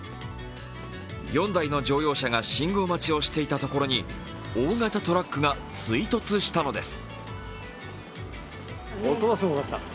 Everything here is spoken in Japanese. ４台の乗用車が信号待ちをしていたところに大型トラックが追突したのです。